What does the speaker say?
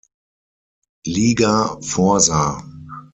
Liga vorsah.